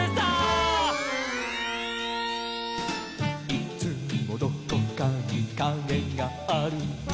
「いつもどこかにかげがある」